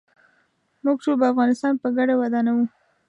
موږ ټول به افغانستان په ګډه ودانوو.